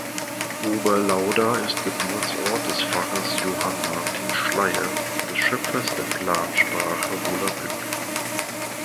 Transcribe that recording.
Oberlauda ist Geburtsort des Pfarrers Johann Martin Schleyer, des Schöpfers der Plansprache Volapük.